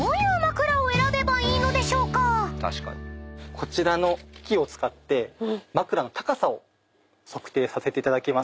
こちらの機器を使って枕の高さを測定させていただきます。